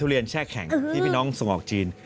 เรียนแช่แข็งที่พี่น้องส่งออกจีน